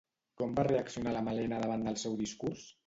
Com va reaccionar la Malena davant el seu discurs?